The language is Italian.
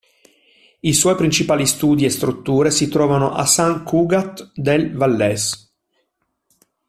I suoi principali studi e strutture si trovano a Sant Cugat del Vallès.